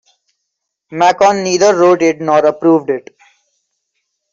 Macon neither wrote it nor approved it.